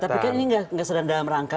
tapi kan ini nggak sedang dalam rangka